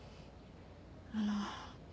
あの。